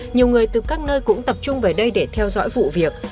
nhiều người từ các nơi cũng tập trung về đây để theo dõi vụ việc